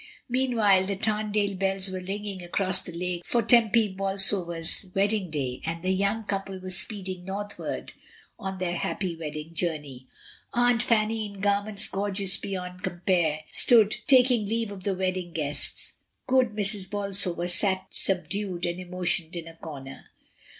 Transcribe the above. Meanwhile the Tarndale bells were ringing across the lake for Tempy Bolsover's wedding day, and the young couple were speeding northward on their happy wedding journey; Aunt WAR AND RUMOUR OF WAR. 1 55 Fanny, in garments gorgeous beyond compare, stood taking leave of the wedding guests; good Mrs. Bol sover sat subdued and emotioned in a corner.